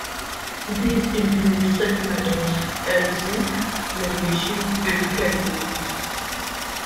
These include such metals as zinc, magnesium, and cadmium.